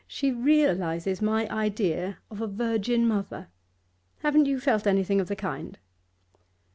She realises my idea of a virgin mother. Haven't you felt anything of the kind?